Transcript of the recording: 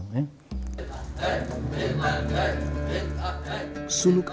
zikir allah lah kamu